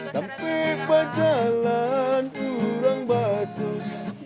sampai pacaran kurang basuh